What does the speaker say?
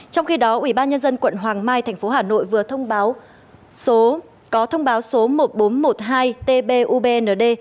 trong khi đó ubnd quận hoàng mai tp hà nội vừa có thông báo số một nghìn bốn trăm một mươi hai tbubnd